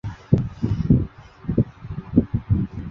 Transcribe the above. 本列表为中华民国及中华人民共和国驻老挝历任大使名录。